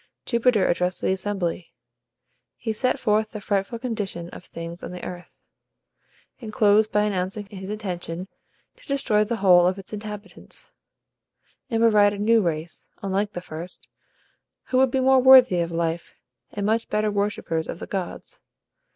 Jupiter addressed the assembly. He set forth the frightful condition of things on the earth, and closed by announcing his intention to destroy the whole of its inhabitants, and provide a new race, unlike the first, who would be more worthy of life, and much better worshippers of the gods.